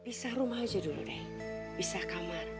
pisah rumah aja dulu deh pisah kamar